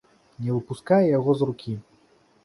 Не выпускае яго з рукі.